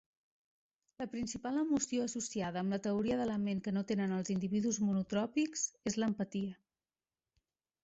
La principal emoció associada amb la teoria de la ment que no tenen els individus monotròpics és l'empatia.